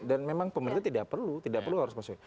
dan memang pemerintah tidak perlu tidak perlu harus masuk